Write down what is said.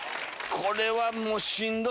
これはもうしんどい。